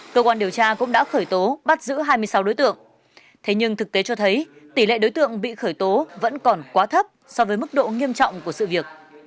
cơ quan điều tra cũng đã khởi tố bắt giữ hai mươi sáu đối tượng thế nhưng thực tế cho thấy tỷ lệ đối tượng bị khởi tố vẫn còn quá thấp so với mức độ nghiêm trọng của sự việc